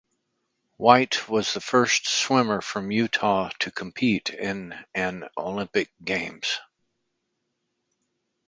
White was the first swimmer from Utah to compete in an Olympic Games.